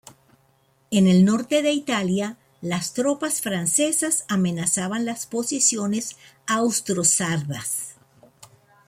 En el norte de Italia las tropas francesas amenazaban las posiciones austro-sardas.